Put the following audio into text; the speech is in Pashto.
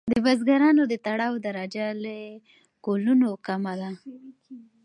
د بزګرانو د تړاو درجه له کولونو کمه وه.